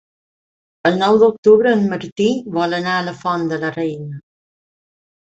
El nou d'octubre en Martí vol anar a la Font de la Reina.